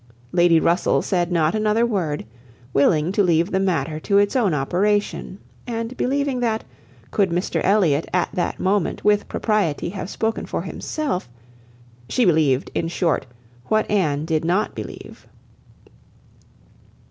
Lady Russell said not another word, willing to leave the matter to its own operation; and believing that, could Mr Elliot at that moment with propriety have spoken for himself!—she believed, in short, what Anne did not believe.